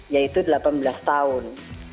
yaitu delapan belas tahun